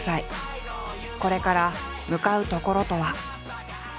これから向かうところとは。